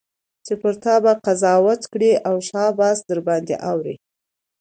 چي پر تا به قضاوت کړي او شاباس درباندي اوري